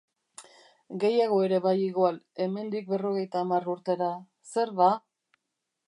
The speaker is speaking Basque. Gehiago ere bai igual, hemendik berrogeita hamar urtera. Zer, ba?